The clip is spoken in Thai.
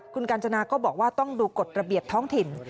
คุณกาญจนาก็บอกว่าต้องดูกฎระเบียบท้องถิ่น